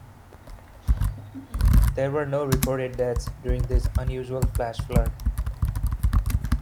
There were no reported deaths during this unusual flash flood.